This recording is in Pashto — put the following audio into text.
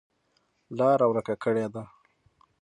لاره ورکه کړې ده.